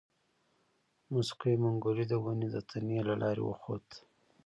موسکی منګلی د ونې د تنې له لارې وخوت.